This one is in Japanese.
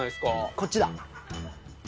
こっちだ。